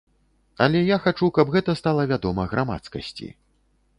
Але я хачу, каб гэта стала вядома грамадскасці.